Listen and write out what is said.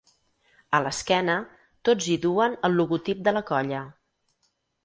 A l'esquena, tots hi duen el logotip de la colla.